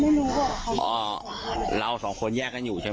ไม่มีโรคประจำตัวละมั้ยพี่